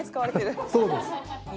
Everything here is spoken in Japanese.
そうです。